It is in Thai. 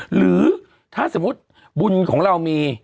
หรือถ้าสมมุติบุญของเรามี